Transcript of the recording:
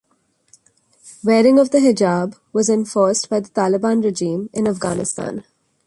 Wearing of the hijab was enforced by the Taliban regime in Afghanistan.